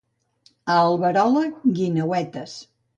A Alberola, guineuetes.